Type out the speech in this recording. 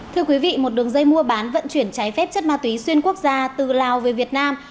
thưa quý vị một đường dây mua bán vận chuyển trái phép chất ma túy xuyên quốc gia từ lào về việt nam